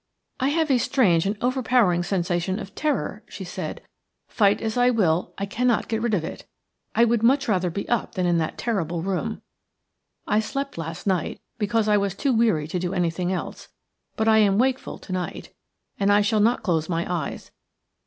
"I have a strange and overpowering sensation of terror," she said. "Fight as I will, I cannot get rid of it. I would much rather be up than in that terrible room. I slept last night because I was too weary to do anything else, but I am wakeful to night, and I shall not close my eyes.